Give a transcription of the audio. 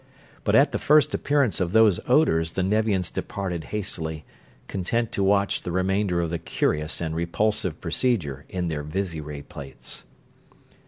But at the first appearance of those odors the Nevians departed hastily, content to watch the remainder of the curious and repulsive procedure in their visiray plates.